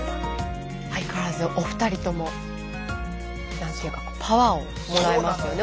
相変わらずお二人とも何ていうかパワーをもらえますよね。